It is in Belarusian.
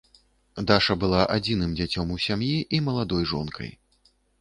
Даша была адзіным дзіцём у сям'і і маладой жонкай.